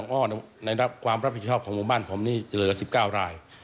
ในสิทธิบันผมจะเหลือ๑๙ราย